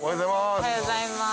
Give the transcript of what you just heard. おはようございます。